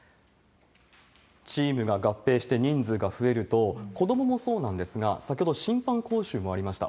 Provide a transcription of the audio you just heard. チームが合併して人数が増えると、子どももそうなんですが、先ほど審判講習もありました。